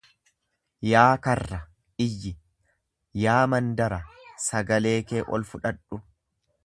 Yaa karra, iyyi! Yaa mandara, sagalee kee ol fudhadhu!